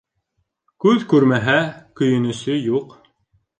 Күҙ күрмәһә, көйөнөсө юҡ.